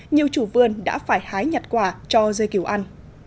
nhiều chủ vườn đã phải hái nhặt quả cho dây kiểu ăn